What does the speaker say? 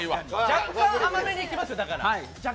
若干甘めにいきます。